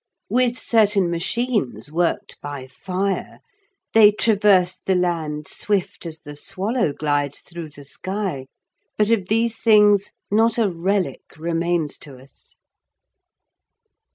With certain machines worked by fire, they traversed the land swift as the swallow glides through the sky, but of these things not a relic remains to us.